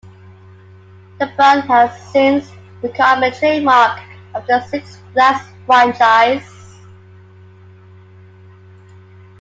The brand has since become a trademark of the Six Flags franchise.